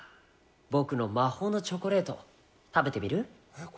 僕の魔法のチョコレート、食べてみる？